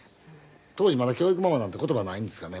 当時まだ教育ママなんていう言葉ないんですがね。